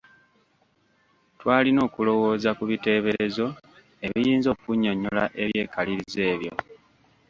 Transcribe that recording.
Twalina okulowooza ku biteeberezo ebiyinza okunnyonnyola ebyekalirizo ebyo.